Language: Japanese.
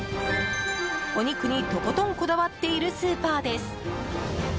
お肉にとことんこだわっているスーパーです。